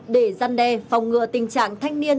để giăn đe phòng ngựa tình trạng thanh niên